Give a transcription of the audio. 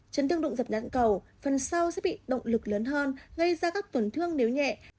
chấn thương đụng dập đạn cầu phần sau sẽ bị động lực lớn hơn gây ra các tổn thương nếu nhẹ